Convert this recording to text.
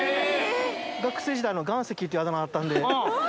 学生時代、岩石っていうあだ名だったので。